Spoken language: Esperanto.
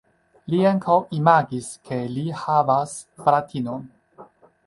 Li ankaŭ imagis ke li havas fratinon.